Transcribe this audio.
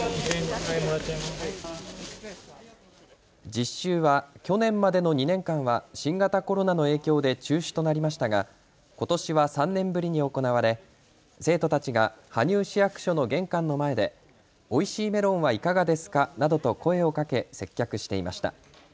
実習は去年までの２年間は新型コロナの影響で中止となりましたが、ことしは３年ぶりに行われ、生徒たちが羽生市役所の玄関の前でおいしいメロンはいかがですかなどと声をかけ接客していました。